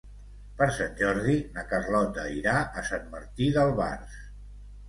Per Sant Jordi na Carlota irà a Sant Martí d'Albars.